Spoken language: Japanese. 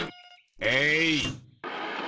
えい！